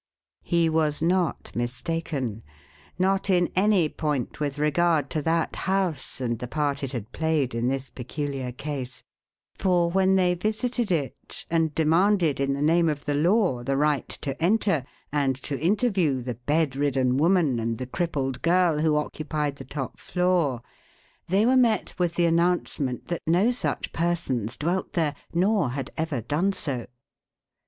He was not mistaken not in any point with regard to that house and the part it had played in this peculiar case for, when they visited it and demanded in the name of the law the right to enter and to interview "the bedridden woman and the crippled girl who occupied the top floor," they were met with the announcement that no such persons dwelt there, nor had ever done so.